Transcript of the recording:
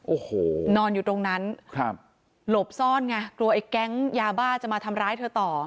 โอ้โหนอนอยู่ตรงนั้นครับหลบซ่อนไงกลัวไอ้แก๊งยาบ้าจะมาทำร้ายเธอต่อ